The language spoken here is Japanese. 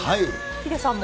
ヒデさんも。